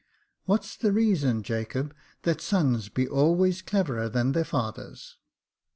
What's the reason, Jacob, that sons be always cleverer than their fathers